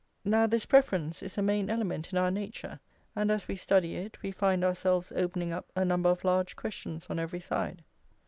Now this preference is a main element in our nature, and as we study it we find ourselves opening up a number of large questions on every side.